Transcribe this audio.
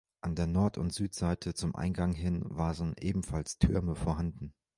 An der Nord- und Südseite zum Eingang hin, waren ebenfalls Türme vorhanden.